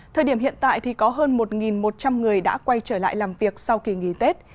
thời điểm hiện tại thì có hơn một một trăm linh người đã quay trở lại làm việc sau kỳ nghỉ tết